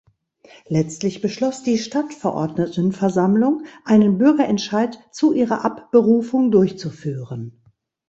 Letztlich beschloss die Stadtverordnetenversammlung, einen Bürgerentscheid zu ihrer Abberufung durchzuführen.